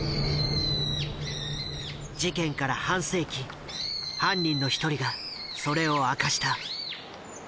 事件から半世紀犯人の一人がそれを明かした。